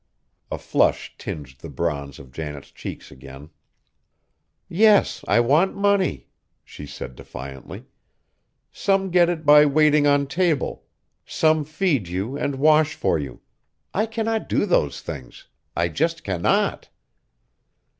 A flush tinged the bronze of Janet's cheeks again. "Yes: I want money!" she said defiantly. "Some get it by waiting on table. Some feed you and wash for you. I cannot do those things, I just cannot!"